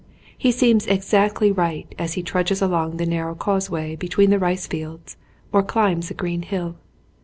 He seems exactly right as he trudges along the narrow causeway between the rice fields or climbs a green hill.